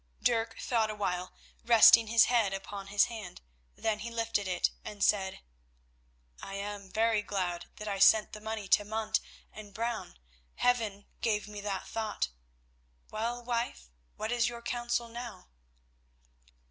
Dirk thought a while, resting his head upon his hand. Then he lifted it and said: "I am very glad that I sent the money to Munt and Brown, Heaven gave me that thought. Well, wife, what is your counsel now?"